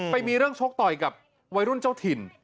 ไปมีเรื่องชกต่อยกับวัยรุ่นเจ้าถิ่น